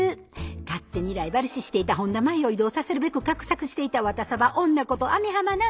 勝手にライバル視していた本田麻衣を異動させるべく画策していた「ワタサバ女」こと網浜奈美